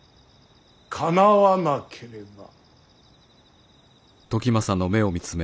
かなわなければ。